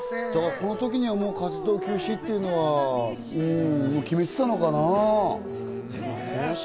このときには活動休止というのは決めてたのかな？